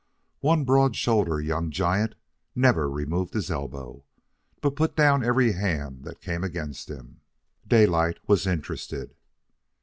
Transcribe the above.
One broad shouldered young giant never removed his elbow, but put down every hand that came against him. Daylight was interested.